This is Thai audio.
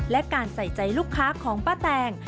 และการใส่ใจลูกค้าของป้าแตง